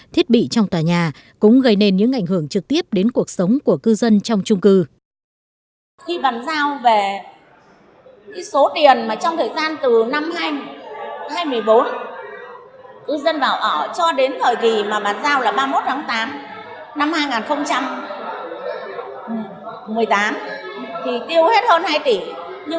thì bây giờ là sẽ xử lý như thế nào